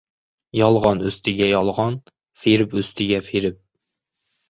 Yolg‘on ustiga yolg‘on, firib ustiga firib...